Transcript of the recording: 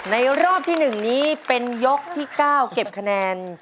รอบที่๑นี้เป็นยกที่๙เก็บคะแนน